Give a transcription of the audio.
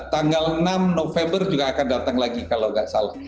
tanggal enam november juga akan datang lagi kalau nggak salah